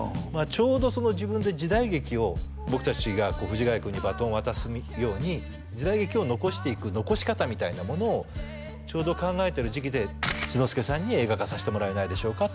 ちょうど自分で時代劇を僕達がこう藤ヶ谷君にバトンを渡すように時代劇を残していく残し方みたいなものをちょうど考えてる時期で志の輔さんに「映画化させてもらえないでしょうか？」